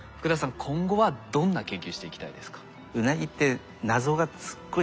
今後はどんな研究していきたいですか？